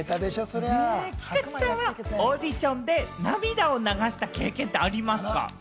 菊池さんはオーデションで涙を流した経験ってありますか？